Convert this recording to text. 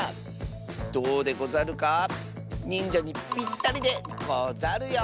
どうでござるか？にんじゃにぴったりでござるよ。